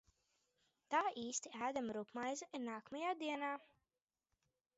Tā īsti ēdama rupjmaize ir nākamajā dienā.